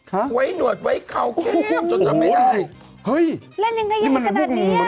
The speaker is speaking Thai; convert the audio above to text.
ไหว้หนวดไว้เก่าเข้มจนทำไม่ได้